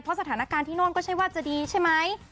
เพราะสถานการณ์ที่โน่นก็ใช่ว่าจะดีใช่ไหม